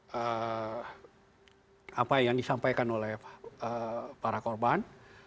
apa yang disampaikan oleh para korban